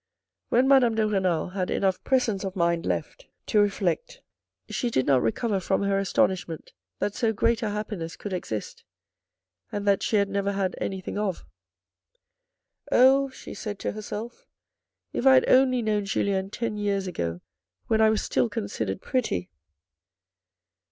When Madame de Renal had enough presence of mind left 96 THE RED AND THE BLACK 50 reflect, she did not recover from her astonishment that so great a happiness could exist; and that she had never had anything of. " Oh," she said to herself, " if I had only known Julien ten years ago when I was still considered pretty."